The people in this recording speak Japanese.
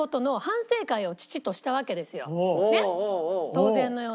当然のように。